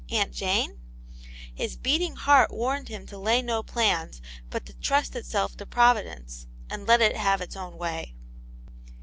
Aunt Jane ? His beating heart warned him to lay no plans, but to trust itself to Providence, and let it have its own way.